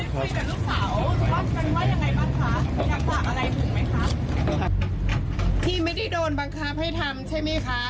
พี่ไม่ได้โดนบังคับให้ทำใช่ไหมคะ